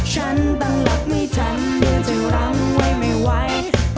ฉันตั้งรักไม่ทันเดี๋ยวจะล้ำไว้ไม่ไหว